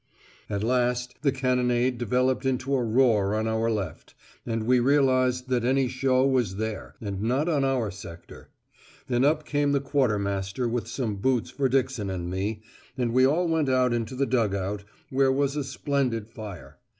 At last the cannonade developed into a roar on our left, and we realised that any show was there, and not on our sector. Then up came the quartermaster with some boots for Dixon and me, and we all went into the dug out, where was a splendid fire.